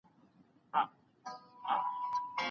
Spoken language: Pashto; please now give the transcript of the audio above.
ښایي په ګڼ ډګر کي مړ سړی او ږیره ښکاره سي.